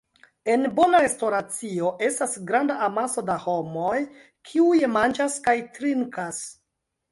En bona restoracio estas granda amaso da homoj, kiuj manĝas kaj trinkas.